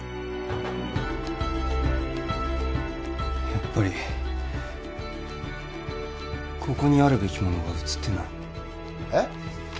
やっぱりここにあるべきものが写ってないえっ？